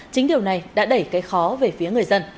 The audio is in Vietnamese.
chính điều này đã đẩy cây khó về phía hội